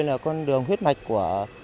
là con đường huyết mạch của